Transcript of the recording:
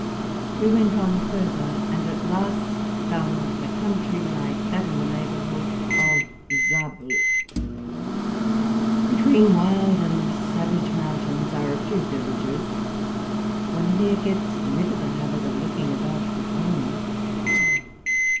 We went on farther, and at last found the country like that in the neighborhood of Saar briick. Between wild and savage mountains are a few vil lages: one here gets rid of the habit of looking about for corn.